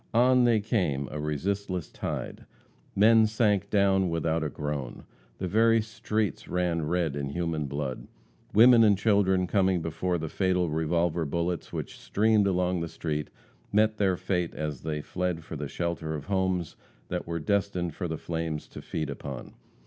On they came, a resistless tide. Men sank down without a groan. The very streets ran red in human blood. Women and children, coming before the fatal revolver bullets which streamed along the street, met their fate as they fled for the shelter of homes that were destined for the flames to feed upon.